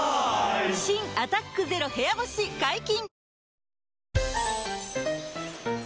新「アタック ＺＥＲＯ 部屋干し」解禁‼